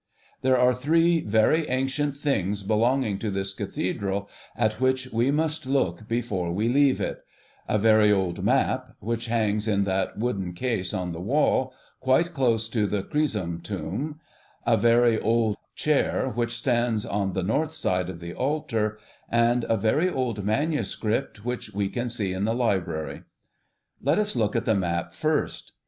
There are three very ancient things belonging to this Cathedral at which we must look before we leave it a very old map, which hangs in that wooden case on the wall, quite close to the 'chrysome' tomb; a very old chair which stands on the north side of the altar; and a very old manuscript, which we can see in the library. Let us look at the map first.